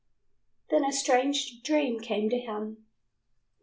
Then a strange dream came to him.